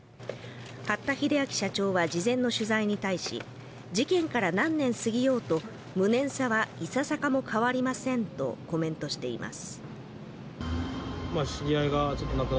八田英明社長は事前の取材に対し、事件から何年過ぎようと無念さはいささかも変わりませんとコメントしています。